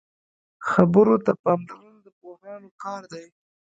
خبرو ته پاملرنه د پوهانو کار دی